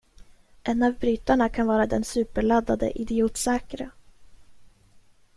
En av brytarna kan vara den superladdade idiotsäkra.